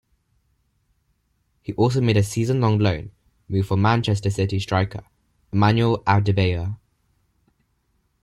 He also made a season-long loan move for Manchester City striker, Emmanuel Adebayor.